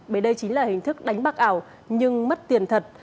bởi đây chính là hình thức đánh bạc ảo nhưng mất tiền thật